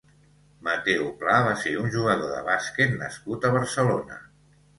Mateu Pla va ser un jugador de bàsquet nascut a Barcelona.